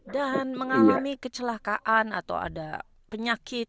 dan mengalami kecelakaan atau ada penyakit